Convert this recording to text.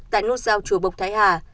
tại nút sao chùa bộc thái hà